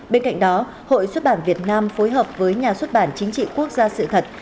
bên cạnh đó hội xuất bản việt nam phối hợp với nhà xuất bản chính trị quốc gia sự thật